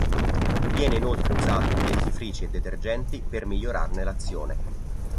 Viene inoltre usato in dentifrici e detergenti per migliorarne l'azione.